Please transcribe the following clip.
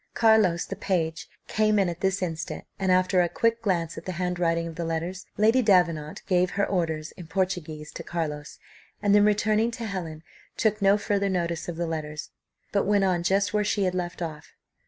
Carlos, the page, came in at this instant, and after a quick glance at the handwriting of the letters, Lady Davenant gave her orders in Portuguese to Carlos, and then returning to Helen, took no further notice of the letters, but went on just where she had left off.